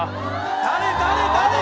誰誰誰誰。